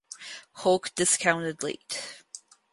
Hulk discounted late.